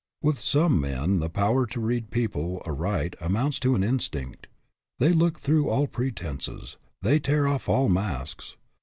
With some men the power to read people aright amounts to an instinct. They look through all pretenses; they tear off all masks.